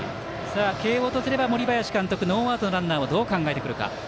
慶応とすれば森林監督ノーアウトのランナーをどう考えてくるか。